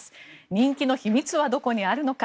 人気の秘密はどこにあるのか。